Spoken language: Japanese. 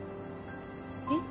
えっ？